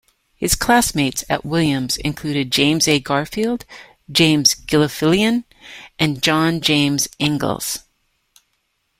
His classmates at Williams included, James A. Garfield, James Gilfillan and John James Ingalls.